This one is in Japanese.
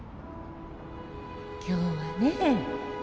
今日はね